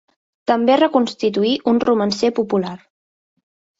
També reconstituí un Romancer popular.